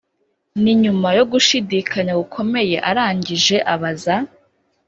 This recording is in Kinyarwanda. ni nyuma yo gushidikanya gukomeye arangije abaza.